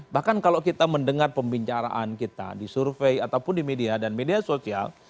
bahkan kalau kita mendengar pembicaraan kita di survei ataupun di media dan media sosial